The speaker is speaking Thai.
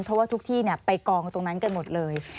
เพราะว่าทุกที่ไปกองตรงนั้นกันหมดเลย